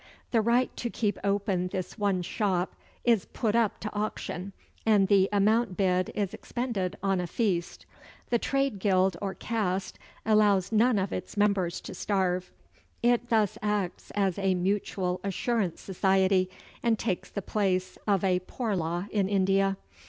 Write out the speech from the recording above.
The right to keep open this one shop is put up to auction, and the amount bid is expended on a feast. The trade guild or caste allows none of its members to starve. It thus acts as a mutual assurance society and takes the place of a poor law in India.